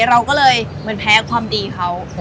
เราก็เลยเหมือนแพ้ความดีเขา